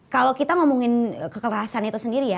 kalau kita ngomongin kekerasan itu sendiri ya